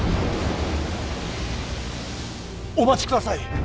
お待ちください。